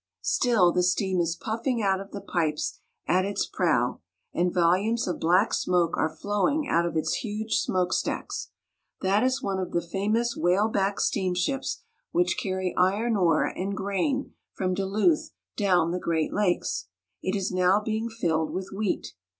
Still, the steam is puffing out of the pipes at its prow, and volumes of black smoke are flowing out of its huge smoke stacks. That is one of the famous whaleback steamships which carry iron ore and grain from Duluth down the Great Lakes. It is now being filled with wheat.